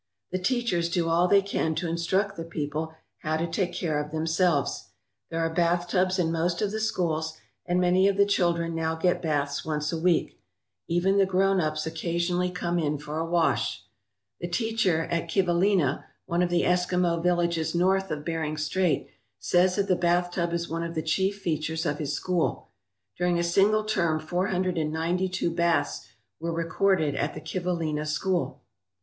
The teachers do all they can to instruct the people how to take care of themselves. There are bathtubs in most of the schools, and many of the children now get baths once a week. Even the grown ups occasionally come in for 224 SCHOOL REPUBLICS OF THE ARCTIC! a wash. The teacher at Kivalina, one of the Eskimo vil lages north of Bering Strait, says that the bathtub is one of the chief features of his school During a single term four hundred and ninety two baths were recorded at the Kivalina school.